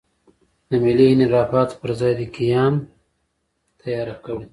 د ملي انحرافاتو پر ضد دې قیام تیاره کړي.